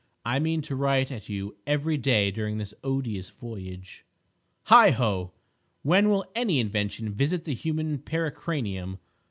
I mean to write at you every day during this odious voyage. Heigho! when will any Invention visit the human pericranium?